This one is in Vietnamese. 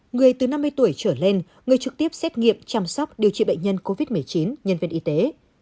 người từ năm mươi tuổi trở lên người trực tiếp xét nghiệm chăm sóc điều trị bệnh nhân covid một mươi chín nhân viên y tế